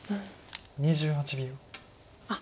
２８秒。